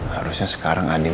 harusnya sekarang andin